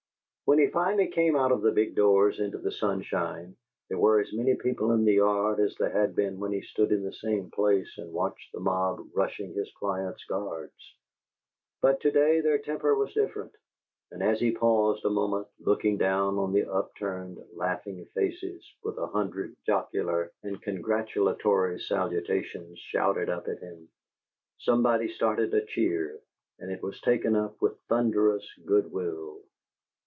When he finally came out of the big doors into the sunshine, there were as many people in the yard as there had been when he stood in the same place and watched the mob rushing his client's guards. But to day their temper was different, and as he paused a moment, looking down on the upturned, laughing faces, with a hundred jocular and congratulatory salutations shouted up at him, somebody started a cheer, and it was taken up with thunderous good will.